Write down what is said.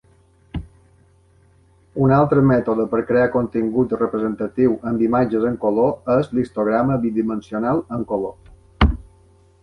Un altre mètode per crear contingut representatiu amb imatges en color és l'histograma bidimensional en color.